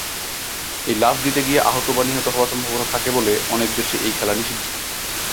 এই লাফ দিতে গিয়ে আহত বা নিহত হবার সম্ভাবনা থাকে বলে অনেক দেশে এই খেলা নিষিদ্ধ।